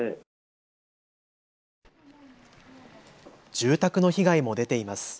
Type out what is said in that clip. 住宅の被害も出ています。